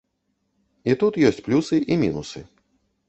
І тут ёсць плюсы і мінусы.